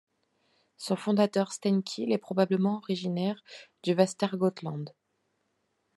Son fondateur Stenkil est probablement originaire du Västergötland.